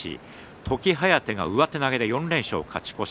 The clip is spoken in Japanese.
時疾風、上手投げ４連勝で勝ち越し。